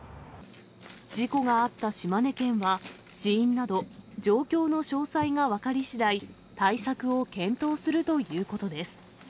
事故があった島根県は、死因など、状況の詳細が分かりしだい、対策を検討するということです。